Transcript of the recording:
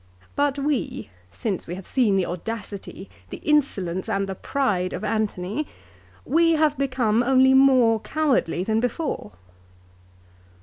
But we, since we have seen the audacity, the insolence, and the pride of Antony, we have become only more cowardly than before."